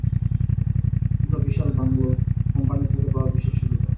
তোমার বিশাল bungalow, company থেকে পাওয়া বিশেষ সুবিধা।